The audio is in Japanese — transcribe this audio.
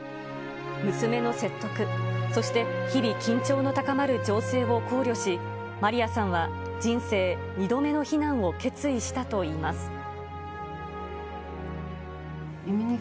娘の説得、そして日々、緊張の高まる情勢を考慮し、マリヤさんは人生２度目の避難を決意したといいます。